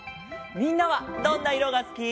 みんなはどんないろがすき？